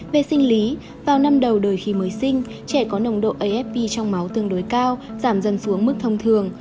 về sinh lý vào năm đầu đời khi mới sinh trẻ có nồng độ afp trong máu tương đối cao giảm dần xuống mức thông thường